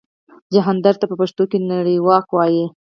جهاندار ته په پښتو کې نړیواک وايي.